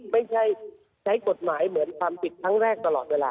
ไม่ใช่ใช้กฎหมายเหมือนความผิดครั้งแรกตลอดเวลา